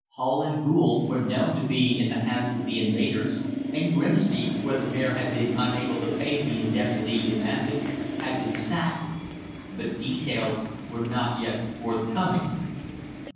Hull and Goole were known to be in the hands of the invaders, and Grimsby, where the Mayor had been unable to pay the indemnity demanded, had been sacked. But details were not yet forthcoming.